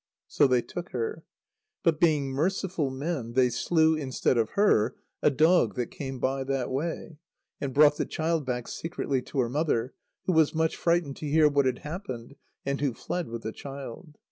So they took her. But, being merciful men, they slew, instead of her, a dog that came by that way, and brought the child back secretly to her mother, who was much frightened to hear what had happened, and who fled with the child.